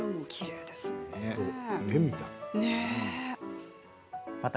絵みたい。